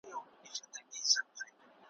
چي په کور کي د بادار وي ټول ښاغلي ,